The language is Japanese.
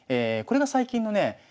これが最近のね